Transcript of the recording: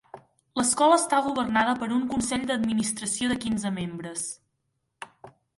L'escola està governada per un consell d'administració de quinze membres.